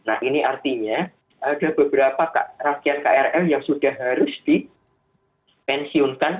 nah ini artinya ada beberapa rangkaian krl yang sudah harus dipensiunkan